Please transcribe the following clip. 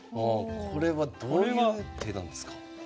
これはどういう手なんですか？